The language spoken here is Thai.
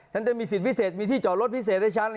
ฉันจะมีสิทธิพิเศษมีที่จอดรถพิเศษให้ฉัน